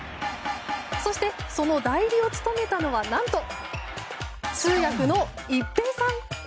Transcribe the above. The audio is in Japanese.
そしてその代理を務めたのは何と、通訳の一平さん。